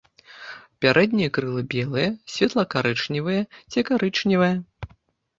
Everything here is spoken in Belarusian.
Пярэднія крылы белыя, светла-карычневыя ці карычневыя.